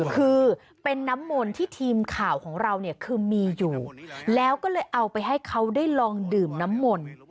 คือเป็นน้ำมนต์ที่ทีมข่าวของเราเนี่ยคือมีอยู่แล้วก็เลยเอาไปให้เขาได้ลองดื่มน้ำมนต์